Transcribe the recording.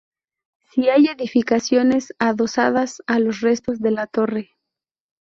Sí hay edificaciones adosadas a los restos de la torre.